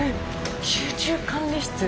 集中管理室。